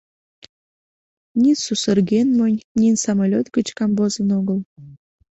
Ни сусырген монь, ни самолёт гыч камвозын огыл.